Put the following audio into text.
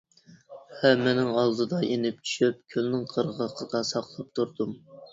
ھەممىنىڭ ئالدىدا يېنىپ چۈشۈپ كۆلنىڭ قىرغىقىدا ساقلاپ تۇردۇم.